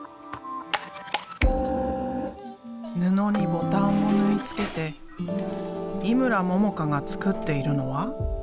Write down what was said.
布にボタンを縫い付けて井村ももかが作っているのは？